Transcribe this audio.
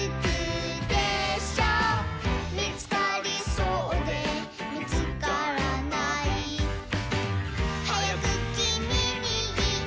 「みつかりそうでみつからない」「はやくキミにいいたいよ」